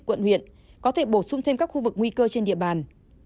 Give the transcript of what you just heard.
quận huyện có thể bổ sung thêm các khu vực nguy cơ trên địa bàn